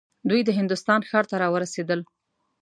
دوی د هندوستان ښار ته راورسېدل.